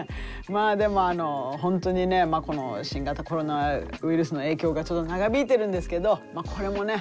まあでも本当にね新型コロナウイルスの影響がちょっと長引いてるんですけどこれもね